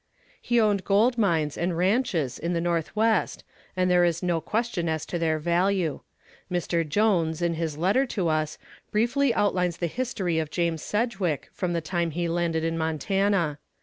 "He owned gold mines and ranches in the Northwest and there is no question as to their value. Mr. Jones, in his letter to us, briefly outlines the history of James Sedgwick from the time he landed in Montana.